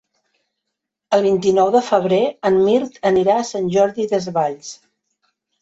El vint-i-nou de febrer en Mirt anirà a Sant Jordi Desvalls.